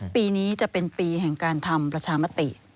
ปีนี้จะเป็นปีแห่งการทำประชามติ